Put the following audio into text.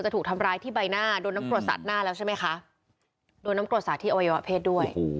ดูน้ำโกรธศาสตร์ที่อวัยวะเพศด้วย